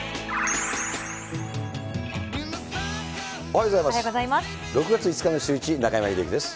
おはようございます。